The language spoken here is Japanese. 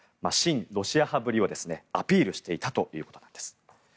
親ロシア派ぶりをアピールしていたということなんです。